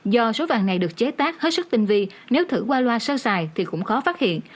do số vàng này được chế tác hết sức tinh vi nếu thử qua loa sơ xài thì cũng khó phát hiện